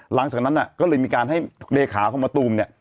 หลังจากนั้นก็เลยให้เลขาเขามาตูม